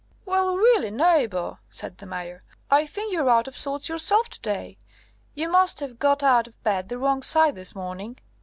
"Well, really, neighbour," said the Mayor, "I think you're out of sorts yourself to day. You must have got out of bed the wrong side this morning.